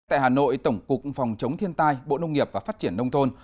tại hà nội tổng cục phòng chống thiên tai bộ nông nghiệp và phát triển nông thôn